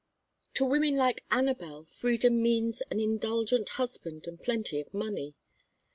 To women like Anabel freedom means an indulgent husband and plenty of money.